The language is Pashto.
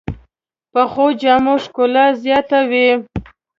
پخو جامو ښکلا زیاته وي